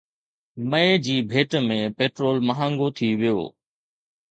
مئي جي ڀيٽ ۾ پيٽرول مهانگو ٿي ويو